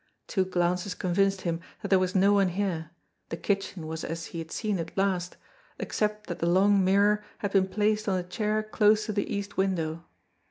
Two glances convinced him that there was no one here, the kitchen was as he had seen it last, except that the long mirror had been placed on a chair close to the east window.